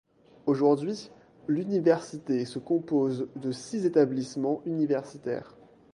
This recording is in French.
Aujourd'hui, l'Université se compose de six établissements universitaires.